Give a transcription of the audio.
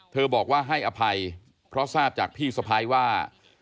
บอกว่าให้อภัยเพราะทราบจากพี่สะพ้ายว่า